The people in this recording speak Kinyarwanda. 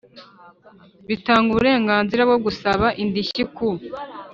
bitanga uburenganzira bwo gusaba indishyi ku